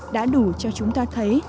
đã đủ cho chúng ta thấy